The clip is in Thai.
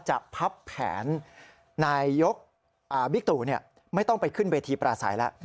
จะพับแผนนายยกบิตุไม่ต้องไปขึ้นเวทีปลาใสแล้ว